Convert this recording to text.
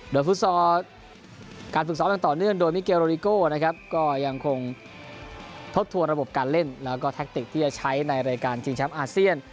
โดยฟุตซอลการฝึกซ้อมอย่างต่อเนื่องโดยมิเกลโรดิโก้นะครับก็ยังคงทบทวนระบบการเล่นแล้วก็แท็กติกที่จะใช้ในรายการชิงแชมป์อาเซียน